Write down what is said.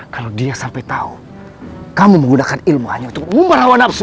kalau dia sampai tahu kamu menggunakan ilmu hanya untuk merawat nafsu